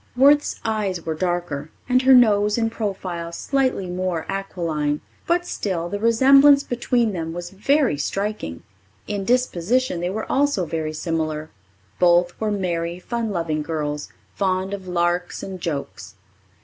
Worth's eyes were darker, and her nose in profile slightly more aquiline. But still, the resemblance between them was very striking. In disposition they were also very similar. Both were merry, fun loving girls, fond of larks and jokes.